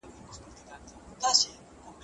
الله ته رجوع وکړئ.